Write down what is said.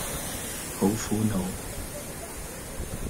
好苦惱